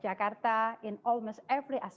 ya kita bisa melihat di slide ini